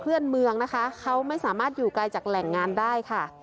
เพื่อนเมืองนะคะเขาไม่สามารถอยู่ไกลจากแหล่งงานได้ค่ะ